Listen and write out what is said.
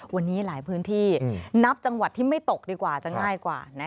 วันนี้หลายพื้นที่นับจังหวัดที่ไม่ตกดีกว่าจะง่ายกว่า